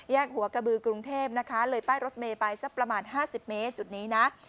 หัวกระบือกรุงเทพนะคะเลยป้ายรถเมย์ไปสักประมาณ๕๐เมตรจุดนี้นะ